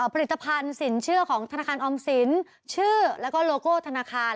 ผลิตภัณฑ์สินเชื่อของธนาคารออมสินชื่อแล้วก็โลโก้ธนาคาร